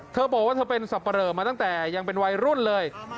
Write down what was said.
เธอบอกว่าเธอเป็นสับปะเหลอมาตั้งแต่ยังเป็นวัยรุ่นเลย